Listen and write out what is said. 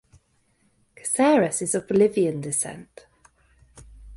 Caceres is of Bolivian descent.